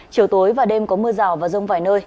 chiều tối và đêm có mưa rào và rông vài nơi